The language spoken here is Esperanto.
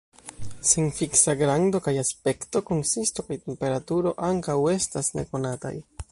Sen fiksa grando kaj aspekto, konsisto kaj temperaturo ankaŭ estas nekonataj.